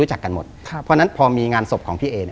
เพราะฉะนั้นพอมีงานศพของพี่เอ